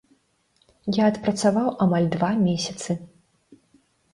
Я адпрацаваў амаль два месяцы.